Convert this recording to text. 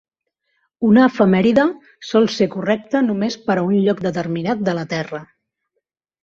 Una efemèride sol ser correcta només per a un lloc determinat de la Terra.